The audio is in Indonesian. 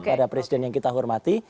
kepada presiden yang kita hormati